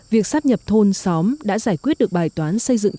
việc sắp nhập thôn xóm đã giải quyết được bài toán xây dựng